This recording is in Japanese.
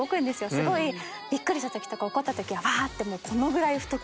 すごいびっくりした時とか怒った時はバーッってこのぐらい太く。